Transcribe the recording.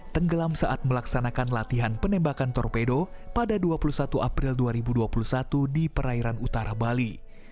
tenggelam saat melaksanakan latihan penembakan torpedo pada dua puluh satu april dua ribu dua puluh satu di perairan utara bali